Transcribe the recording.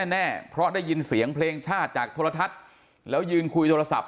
แน่เพราะได้ยินเสียงเพลงชาติจากโทรทัศน์แล้วยืนคุยโทรศัพท์